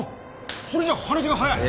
それじゃあ話が早い！